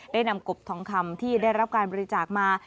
ได้นำกบทองคำที่ได้รับการบริจาคมา